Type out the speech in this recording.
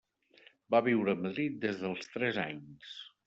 Va viure a Madrid des dels tres anys.